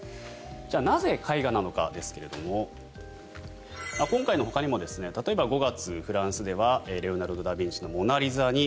じゃあなぜ絵画なのかですけれども今回のほかにも例えば５月、フランスではレオナルド・ダ・ビンチの「モナ・リザ」に